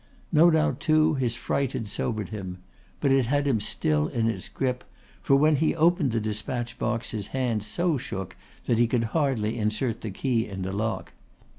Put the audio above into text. No doubt too his fright had sobered him. But it had him still in its grip, for when he opened the despatch box his hand so shook that he could hardly insert the key in the lock.